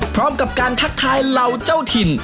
พร้อมกับการทักทายเหล่าเจ้าถิ่น